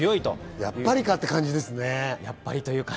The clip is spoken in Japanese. やっぱりかって感じですね。